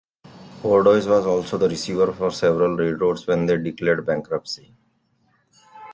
Fordyce was also the receiver for several railroads when they declared bankruptcy.